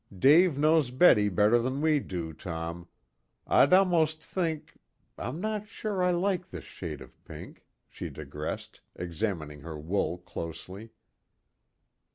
"Dave knows Betty better than we do, Tom. I'd almost think I'm not sure I like this shade of pink," she digressed, examining her wool closely.